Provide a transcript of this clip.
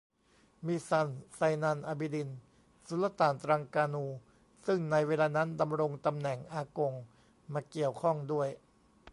มีซัน ไซนัล อาบีดิน สุลต่านตรังกานู ซึ่งในเวลานั้นดำรงตำแหน่งอากงมาเกี่ยวข้องด้วย